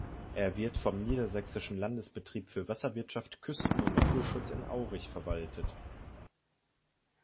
Er wird vom Niedersächsischen Landesbetrieb für Wasserwirtschaft, Küsten- und Naturschutz in Aurich verwaltet.